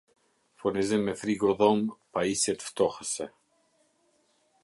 Furnizim me frigo dhomë pajisjet ftohëse